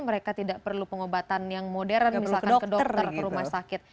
mereka tidak perlu pengobatan yang modern misalkan ke dokter ke rumah sakit